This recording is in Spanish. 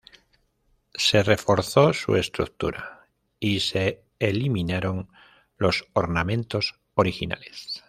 Se reforzó su estructura y se eliminaron los ornamentos originales.